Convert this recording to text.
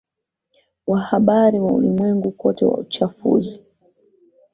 wa Habari wa Ulimwenguni Kote wa Uchafuzi